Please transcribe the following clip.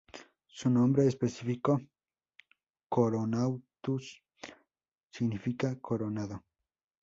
Su nombre específico "coronatus" significa coronado.